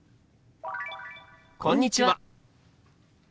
「こんにちは」。